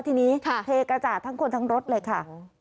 ทีนี้เทกระจาดทั้งคนทั้งรถเลยค่ะ